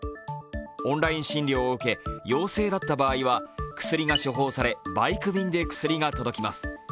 オンライン診療を受け、陽性だった場合は薬が処方され、バイク便で薬が届きます。